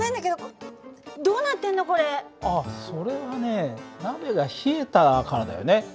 あっそれはね鍋が冷えたからだよね。